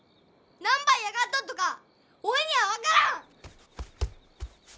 何ば嫌がっとっとかおいには分からん！